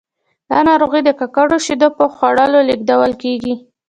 دا ناروغي د ککړو شیدو په خوړلو لیږدول کېږي.